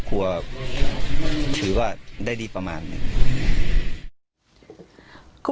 เพลงที่สุดท้ายเสียเต้ยมาเสียชีวิตค่ะ